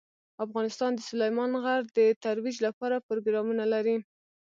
افغانستان د سلیمان غر د ترویج لپاره پروګرامونه لري.